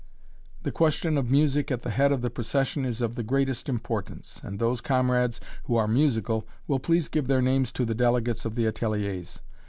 The question of music at the head of the procession is of the greatest importance, and those comrades who are musical will please give their names to the delegates of the ateliers.